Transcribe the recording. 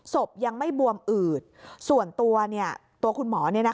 ศพยังไม่บวมอืดส่วนตัวตัวคุณหมอ